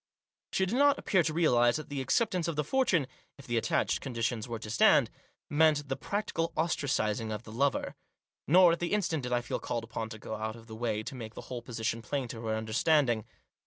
She did not appear to realise that the accept ance of the fortune, if the attached conditions were to stand, meant the practical ostracising of the lover. Nor, at the instant, did I feel called upon to go out of the way to make the whole position plain to her under standing.